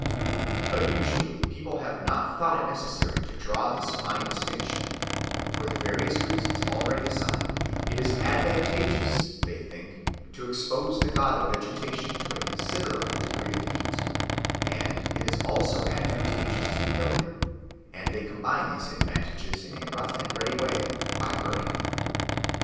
But usually people have not thought it necessary to draw this fine distinction; for the various reasons already assigned, it is advantageous, they think, to expose the god of vegetation to a considerable degree of heat, and it is also advantageous to kill him, and they combine these advantages in a rough and ready way by burning him.